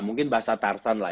mungkin bahasa tarsan lah